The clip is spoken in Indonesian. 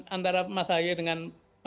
antara mas ahy dengan